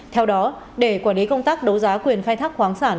theo đó để quản lý công tác đấu giá quyền khai thác khoáng sản